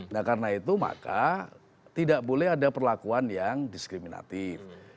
nah karena itu maka tidak boleh ada perlakuan yang diskriminatif